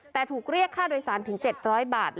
แต่ถูกเรียกค่าโดยสารถึง๗๐๐บาท